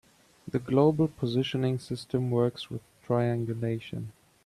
The global positioning system works with triangulation.